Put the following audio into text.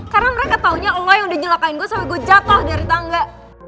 karena mereka taunya lo yang udah nyelekain gue sampai gue jatoh dari tangga